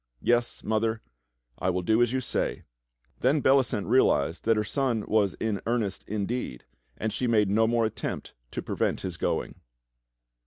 Yes, Mother, I will do as you say." Then Bellicent realized that her son was in earnest indeed, and she made no more attempt to prevent his going.